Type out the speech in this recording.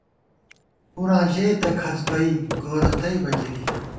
پُراں ژېتہ کھڅ بئ ، گورَہ تئیبہ گِری